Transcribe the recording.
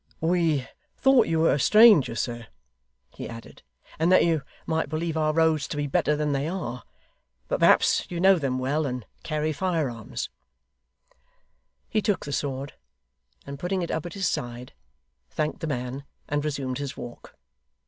'We thought you were a stranger, sir,' he added, 'and that you might believe our roads to be better than they are; but perhaps you know them well, and carry fire arms ' He took the sword, and putting it up at his side, thanked the man, and resumed his walk.